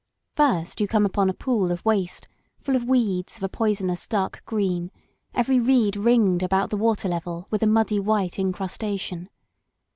First you come upon a pool of waste full of weeds of a poisonous dark green, every reed ringed about the water level with a muddy white incrustation.